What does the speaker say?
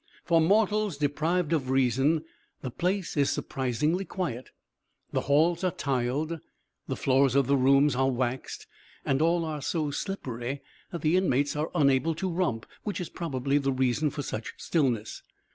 For mortals deprived of reason the place is surprisingly quiet. The halls are tiled, the floors of the rooms are waxed, and all are so slippery that the inmates are unable to romp, which is probably the reason for such stillness.